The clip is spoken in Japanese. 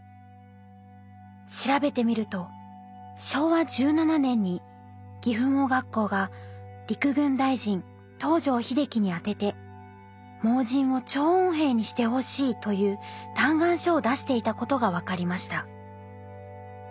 調べてみると昭和１７年に岐阜盲学校が陸軍大臣東條英機に宛てて「盲人を聴音兵にしてほしい」という嘆願書を出していたことが分かりました。